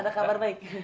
ada kabar baik